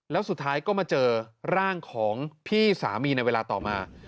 แล้วสุดท้ายก็มาเจอร่างของพี่สามีในเวลาต่อมา